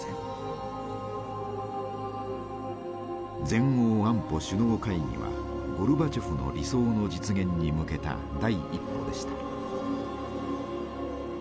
全欧安保首脳会議はゴルバチョフの理想の実現に向けた第一歩でした。